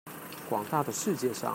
廣大的世界上